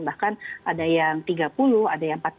bahkan ada yang tiga puluh ada yang empat puluh